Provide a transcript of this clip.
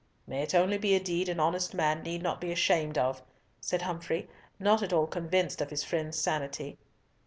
"May it only be a deed an honest man need not be ashamed of," said Humfrey, not at all convinced of his friend's sanity.